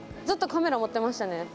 ずっとカメラ持ってましたね。